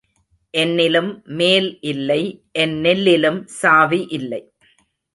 என்னிலும் மேல் இல்லை என் நெல்லிலும் சாவி இல்லை.